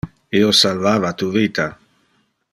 Io salvava tu vita.